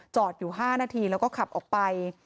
อยู่๕นาทีแล้วก็ขับออกไป